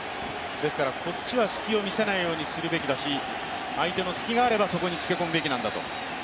ですからこっちは隙を見せないようにするべきだし、相手の隙があればそこにつけ込むべきなんだと。